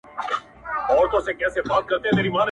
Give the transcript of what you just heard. سپین اغوستي لکه بطه غوندي ښکلی!!